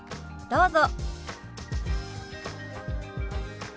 どうぞ。